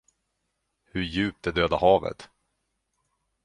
Hur djupt är döda havet?